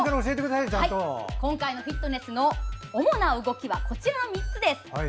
今回のフィットネスの主な動きは、こちらの３つです。